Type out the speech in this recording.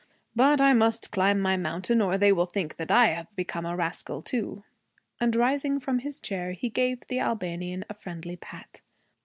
But I must climb my mountain or they will think that I have become a rascal too.' And, rising from his chair, he gave the Albanian a friendly pat.